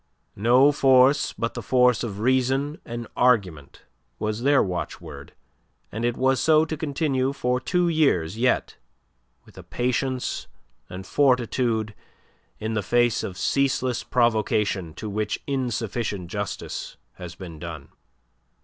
"No force but the force of reason and argument" was their watchword, and it was so to continue for two years yet, with a patience and fortitude in the face of ceaseless provocation to which insufficient justice has been done.